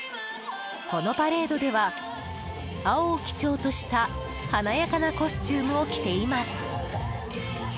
このパレードでは青を基調とした華やかなコスチュームを着ています。